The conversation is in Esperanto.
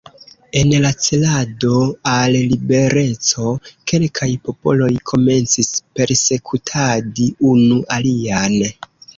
En la celado al libereco kelkaj popoloj komencis persekutadi unu alian.